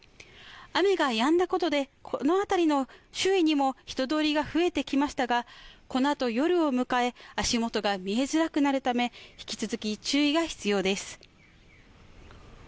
雨がやんだことで、この辺りの周囲にも人通りが増えてきましたが、このあと夜を迎え、足元が見えづらくなるため引き続き注意が必要です。